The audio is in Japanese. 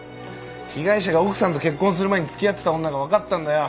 被害者が奥さんと結婚する前に付き合ってた女が分かったんだよ。